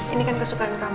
ini kan kesukaan kamu